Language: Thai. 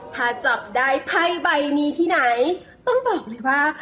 ถ้าจับได้ไพ่ใบนี้ที่ไหนต้องบอกเลยว่า